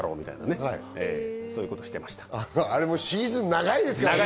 あれもシーズン長いですからね。